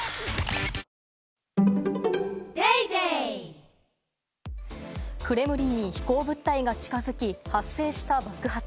ニトリクレムリンに飛行物体が近づき、発生した爆発。